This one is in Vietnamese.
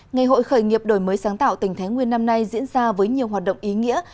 ngày hội khởi nghiệp đổi mới sáng tạo tỉnh thái nguyên năm nay diễn ra với nhiều hoạt động ý nghĩa